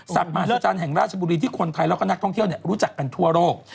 ศาสตร์หมาศจรรย์แห่งราชบุรีที่คนไทยและก็นักท่องเที่ยวเนี่ยรู้จักกันทั่วโลก